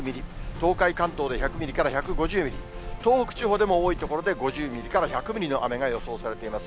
東海、関東で１５０ミリから１００ミリ、東北地方でも多い所では５０ミリから１００ミリの雨が予想されています。